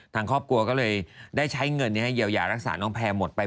ทางครอบครัวก็เลยได้ใช้เงินเยียวยารักษาน้องแพร่หมดไป